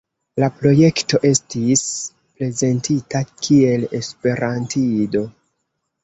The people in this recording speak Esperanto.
La projekto estis prezentita kiel esperantido.